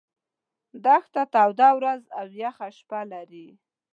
دښته توده ورځ او یخه شپه لري.